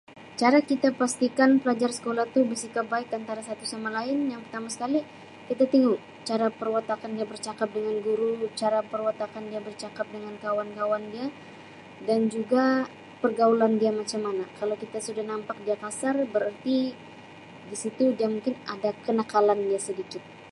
Cara kita pastikan pelajar sekolah tu bersikap baik antara satu sama lain yang pertama sekali kita tingu cara perwatakan dia bercakap dengan guru, cara perwatakan dia bercakap dengan kawan-kawan dia dan juga pergaulan dia macam mana. Kalau kita sudah nampak dia kasar bererti di situ dia mungkin ada kenakalan dia sedikit.